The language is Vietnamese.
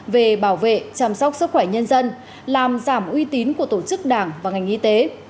về bảo vệ chăm sóc sức khỏe nhân dân làm giảm uy tín của tổ chức đảng và ngành y tế